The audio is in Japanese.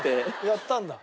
やったんだ。